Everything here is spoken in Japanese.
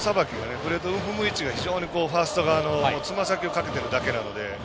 プレートを踏む位置がファースト側のつま先をかけているだけなので。